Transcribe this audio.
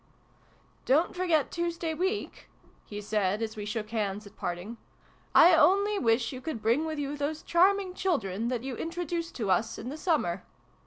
" Don't forget Tuesday week !" he said as we shook hands at parting. " I only wish you could bring with you those charming children, that you introduced to us in the summer.